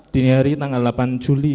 dini hari tanggal delapan juli